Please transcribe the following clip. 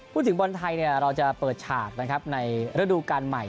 พูดถึงบอลไทยเราจะเปิดฉากในเรดูการใหม่